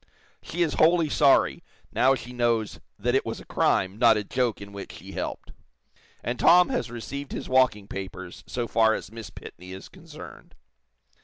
She is wholly sorry, now she knows that it was a crime, not a joke in which she helped. And 'Tom' has received his walking papers so far as Miss Pitney is concerned."